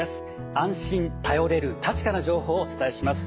安心頼れる確かな情報をお伝えします。